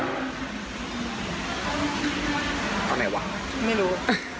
เอาไหนวะไม่รู้